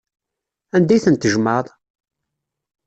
Anda ay tent-tjemɛeḍ?